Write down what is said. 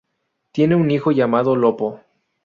Tiene un hijo llamado Lopo.